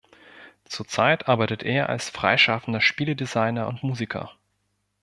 Zur Zeit arbeitet er als freischaffender Spieledesigner und Musiker.